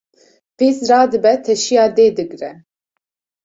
Qîz radibe teşiya dê digre